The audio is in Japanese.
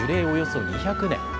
およそ２００年。